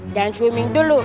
jangan swimming dulu